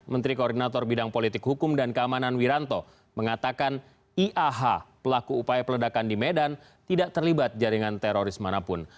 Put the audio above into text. menteri koordinator bidang politik hukum dan keamanan wiranto mengatakan iah pelaku upaya peledakan di medan tidak terlibat jaringan teroris manapun